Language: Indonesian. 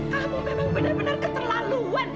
kamu memang benar benar keterlaluan